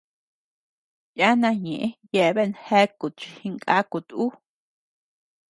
Yana ñeʼë yeabean jeakut chi jinkakut uu.